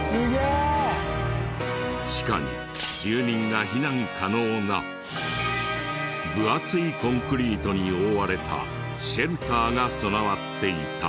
地下に住人が避難可能な分厚いコンクリートに覆われたシェルターが備わっていた。